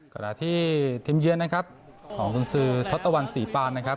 ขณะที่ทีมเยือนนะครับของคุณซื้อทศตวรรณศรีปานนะครับ